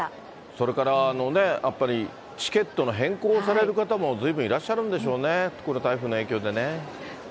それからあのね、やっぱりチケットの変更をされる方もずいぶんいらっしゃるんでしょうね、この台風の影響でね。